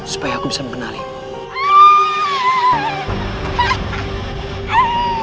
supaya aku bisa mengenalimu